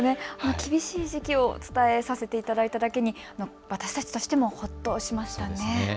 厳しい時期を伝えさせていただいただけに私たちとしてもほっとしましたね。